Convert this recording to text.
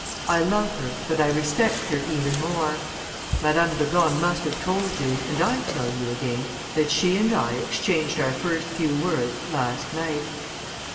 I love her, but I respect her even more. Madame de Gorne must have told you and I tell you again that she and I exchanged our first few words last night."